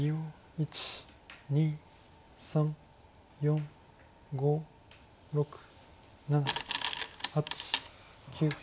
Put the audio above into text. １２３４５６７８９。